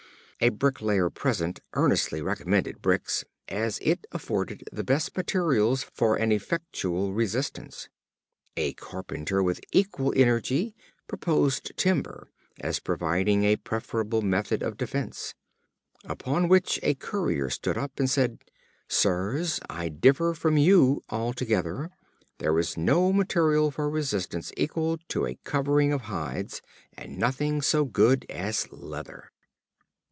A Bricklayer present earnestly recommended bricks, as affording the best materials for an effectual resistance. A Carpenter, with equal energy, proposed timber, as providing a preferable method of defense. Upon which a Currier stood up, and said: "Sirs, I differ from you altogether; there is no material for resistance equal to a covering of hides; and nothing so good as leather."